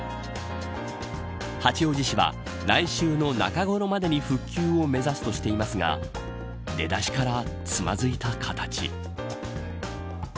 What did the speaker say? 八王子市は来週の中頃までに復旧を目指すとしていますが出だしから、つまずいた形。